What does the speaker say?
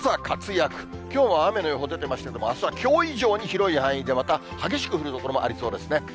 きょうは雨の予報出てましたけど、あすはきょう以上に広い範囲でまた激しく降る所もありそうですね。